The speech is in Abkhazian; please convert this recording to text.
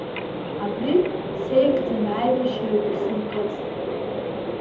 Абри, сеигӡаны аибашьраҿ исымкыц!